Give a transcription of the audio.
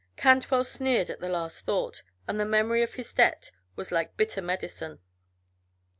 Cantwell sneered at the last thought, and the memory of his debt was like bitter medicine.